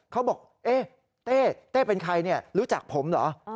เขาบอกเต้เต้เป็นใครรู้จักผมเหรอ